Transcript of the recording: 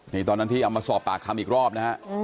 นี่ตอนนั้นที่เอามาสอบปากคำอีกรอบนะฮะ